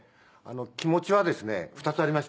「気持ちはですね２つありました」